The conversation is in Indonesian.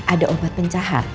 ada obat pencahar